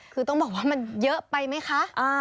คือต้องบอกว่ามันเยอะไปไหมคะ